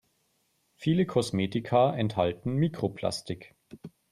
Viele Kosmetika enthalten Mikroplastik.